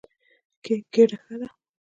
ګېډه ښه ده.